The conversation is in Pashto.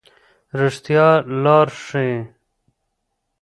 رښتیا لار ښيي.